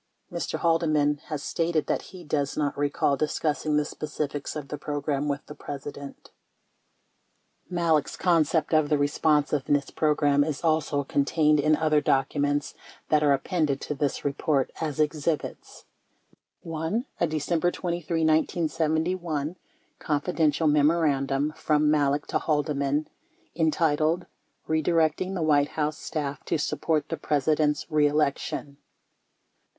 24 Mr. Haldeman has stated that he does not recall discussing the specifics of the program with the President. 25 Malek's concept of the Responsiveness Program is also contained in other documents that are appended to this report as exhibits : 1. A December 23, 1971, "Confidential" memorandum from Malek to Haldeman entitled "Redirecting the White House Staff to Support the President's Re Election."